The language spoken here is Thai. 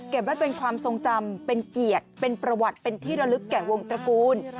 ไว้เป็นความทรงจำเป็นเกียรติเป็นประวัติเป็นที่ระลึกแก่วงตระกูล